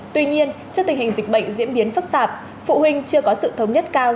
tuy nhiên trước tình hình dịch bệnh diễn biến phức tạp phụ huynh chưa có sự thống nhất cao